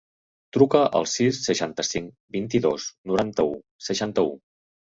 Truca al sis, seixanta-cinc, vint-i-dos, noranta-u, seixanta-u.